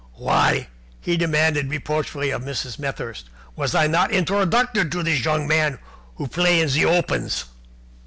Why," he demanded reproachfully of Mrs. Smethurst, "was I not been introducted to this young man who play in opens?"